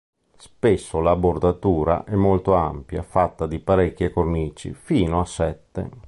Spesso la bordatura è molto ampia fatta di parecchie cornici, fino a sette.